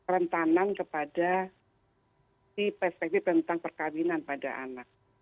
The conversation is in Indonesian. rentanan kepada perspektif tentang perkawinan pada anak